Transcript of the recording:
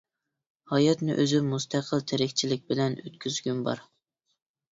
ھاياتنى ئۆزۈم مۇستەقىل تىرىكچىلىك بىلەن ئۆتكۈزگۈم بار.